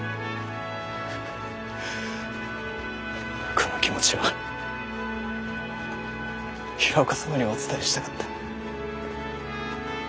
この気持ちを平岡様にお伝えしたかった。